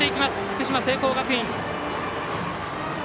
福島、聖光学院。